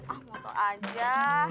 ah mau tau aja